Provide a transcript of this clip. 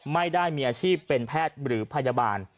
ไม่ได้มีอาชีพเป็นแพทย์หรือพยาบาล